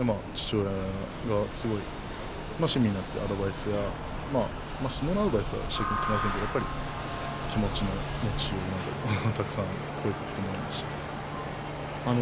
相撲が好きなので父親がすごい親身になってアドバイスや相撲のアドバイスはしてきませんけど気持ちの持ちようとかたくさん声をかけてもらいました。